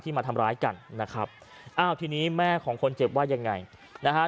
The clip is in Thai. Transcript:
มาทำร้ายกันนะครับอ้าวทีนี้แม่ของคนเจ็บว่ายังไงนะฮะ